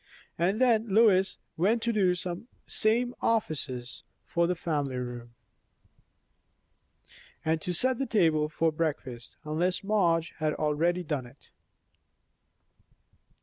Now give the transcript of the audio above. And then Lois went to do the same offices for the family room, and to set the table for breakfast; unless Madge had already done it.